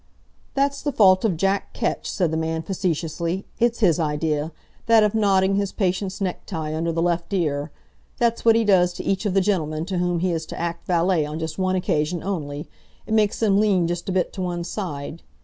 "That's the fault of Jack Ketch," said the man facetiously. "It's his idea—that of knotting his patient's necktie under the left ear! That's what he does to each of the gentlemen to whom he has to act valet on just one occasion only. It makes them lean just a bit to one side.